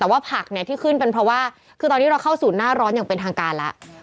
แต่ว่าผักเนี่ยที่ขึ้นเป็นเพราะว่าคือตอนนี้เราเข้าสู่หน้าร้อนอย่างเป็นทางการแล้ว